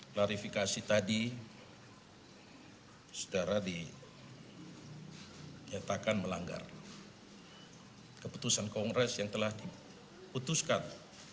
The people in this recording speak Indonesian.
klarifikasi tadi saudara dinyatakan melanggar keputusan kongres yang telah diputuskan